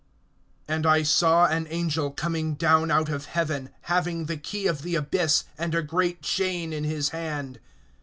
AND I saw an angel coming down out of heaven, having the key of the abyss, and a great chain in his hand.